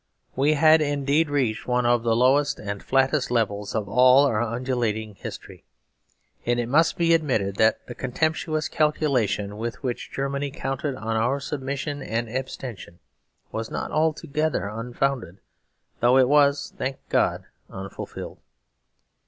We had indeed reached one of the lowest and flattest levels of all our undulating history; and it must be admitted that the contemptuous calculation with which Germany counted on our submission and abstention was not altogether unfounded, though it was, thank God, unfulfilled.